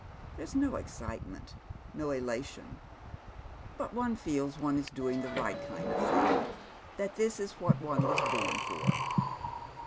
There's no excitement, no elation ; but one feels one is doing the right kind of thing, that this is what one was born for."